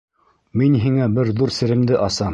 — Мин һиңә бер ҙур серемде асам.